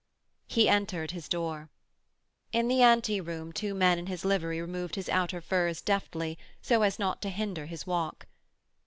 He entered his door. In the ante room two men in his livery removed his outer furs deftly so as not to hinder his walk.